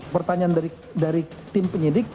pertanyaan dari tim penyidik